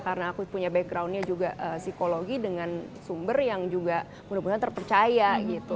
karena aku punya backgroundnya juga psikologi dengan sumber yang juga mudah mudahan terpercaya gitu